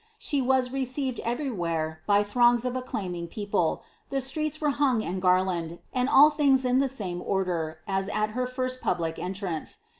She was received everywhere by throngs of acclaiming people ; the streets were hung and garlanded ; and al] things in the same order^ m at her first public entrance.